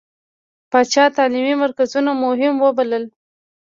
پاچا تعليمي مرکزونه مهم ووبلل.